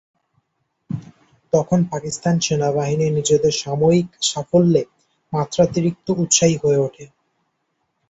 তখন পাকিস্তান সেনাবাহিনী নিজেদের সাময়িক সাফল্যে মাত্রাতিরিক্ত উৎসাহী হয়ে ওঠে।